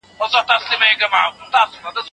مهاجرين بايد په نوي ځای کي د هوساينې احساس وکړي.